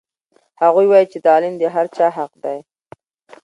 هغوی وایي چې تعلیم د هر چا حق دی.